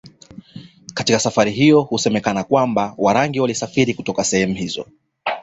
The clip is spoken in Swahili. Katika safari hiyo husemekana kwamba Warangi walisafiri kutoka sehemu hizo